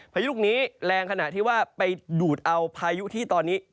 พายุลูกนี้แรงขณะที่ว่าไปดูดเอาพายุที่ตอนนี้